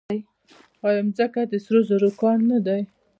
آیا ځمکه د سرو زرو کان نه دی؟